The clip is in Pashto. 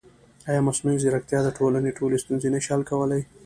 ایا مصنوعي ځیرکتیا د ټولنې ټولې ستونزې نه شي حل کولی؟